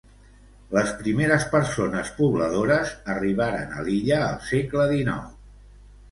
Les primeres persones pobladores arribaren a l'illa al segle dinou.